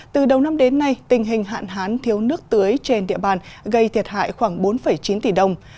từ đầu năm đến nay tình hình hạn hán thiếu nước tưới trên địa bàn gây thiệt hại khoảng bốn chín tỷ đồng